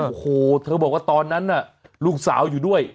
โอ้โหเธอบอกว่าตอนนั้นน่ะลูกสาวอยู่ด้วย